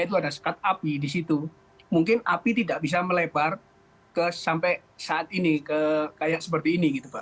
itu ada sekat api di situ mungkin api tidak bisa melebar ke sampai saat ini kayak seperti ini gitu pak